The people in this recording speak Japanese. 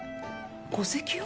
戸籍を？